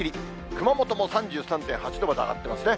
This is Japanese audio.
熊本も３３．８度まで上がってますね。